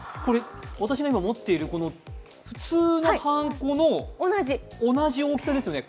私が今持っている普通のはんこの同じ大きさですよね。